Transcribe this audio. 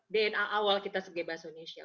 dna awal kita sebagai bahasa indonesia